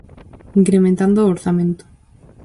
Incrementando o orzamento.